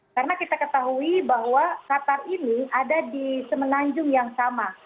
karena kita ketahui bahwa qatar ini ada di semenanjung yang sama